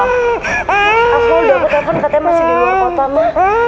aku udah aku telepon katanya masih di luar kotama